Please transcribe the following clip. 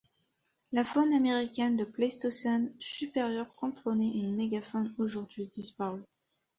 La faune américaine du Pléistocène supérieur comprenait une mégafaune aujourd'hui disparue.